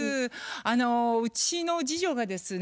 あのうちの次女がですね